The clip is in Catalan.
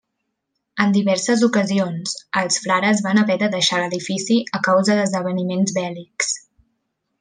En diverses ocasions, els frares van haver de deixar l'edifici a causa d'esdeveniments bèl·lics.